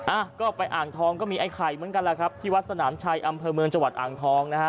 อ่ะก็ไปอ่างทองก็มีไอ้ไข่เหมือนกันแหละครับที่วัดสนามชัยอำเภอเมืองจังหวัดอ่างทองนะฮะ